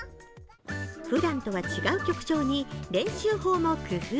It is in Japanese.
ふだんとは違う曲調に練習法も工夫。